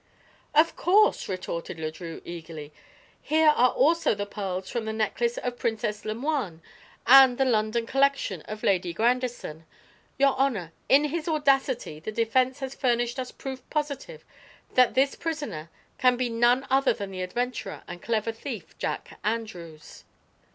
"Of course," retorted Le Drieux eagerly; "here are also the pearls from the necklace of Princess Lemoine, and the London collection of Lady Grandison. Your honor, in his audacity the defense has furnished us proof positive that this prisoner can be none other than the adventurer and clever thief, Jack Andrews."